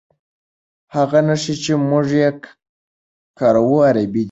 هغه نښې چې موږ یې کاروو عربي دي.